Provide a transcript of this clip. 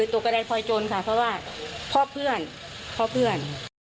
ตกระดายพลอยโจรค่ะเพราะว่าพ่อเพื่อน